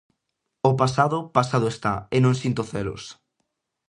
O pasado, pasado está, e non sinto celos.